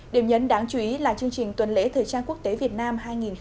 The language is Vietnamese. điểm nhấn đáng chú ý là chương trình tuần lễ thời trang quốc tế việt nam hai nghìn hai mươi